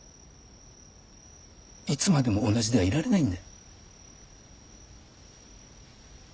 いつまでも同じではいられないんだ。